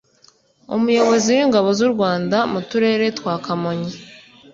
umuyobozi w’ingabo z’u Rwanda mu turere twa Kamonyi